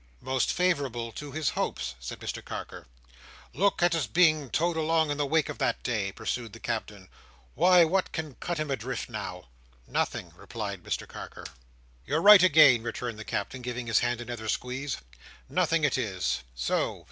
"Most favourable to his hopes," said Mr Carker. "Look at his being towed along in the wake of that day!" pursued the Captain. "Why what can cut him adrift now?" "Nothing," replied Mr Carker. "You're right again," returned the Captain, giving his hand another squeeze. "Nothing it is. So!